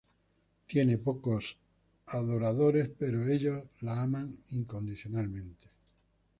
Tiene pocos adoradores pero ellos la aman incondicionalmente.